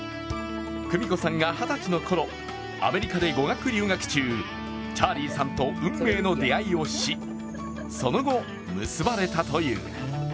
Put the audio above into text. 久美子さんが二十歳のころ、アメリカが語学留学中、チャーリーさんと運命の出会いをし、その後、結ばれたという。